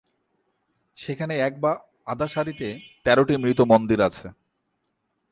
সেখানে এক এবং আধা সারিতে তেরোটি মৃত মন্দির আছে।